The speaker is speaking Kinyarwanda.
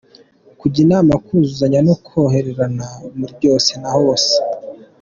– Kujya inama, kuzuzanya no koroherana muri byose na hose;